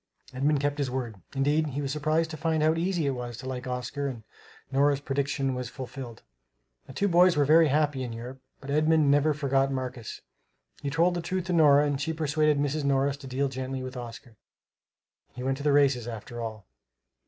Edmund kept his word. Indeed, he was surprised to find how easy it was to like Oscar; and Nora's prediction was fulfilled. The two boys were very happy in Europe; but Edmund never forgot Marcus. He told the truth to Nora and she persuaded Mrs. Morris to deal gently with Oscar. He went to the races, after all.